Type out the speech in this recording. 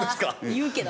言うけど。